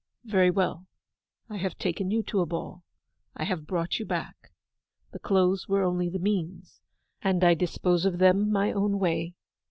Very well—I have taken you to a ball. I have brought you back. The clothes were only the means, and I dispose of them my own way.